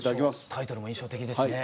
タイトルも印象的ですね。